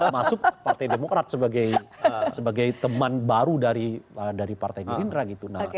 termasuk partai demokrat sebagai teman baru dari partai gerindra gitu